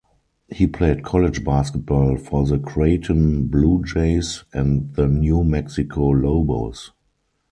He played college basketball for the Creighton Bluejays and the New Mexico Lobos.